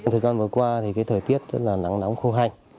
thời gian vừa qua thì cái thời tiết rất là nắng nóng khô hành